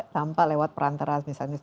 tanpa lewat perantaraan misalnya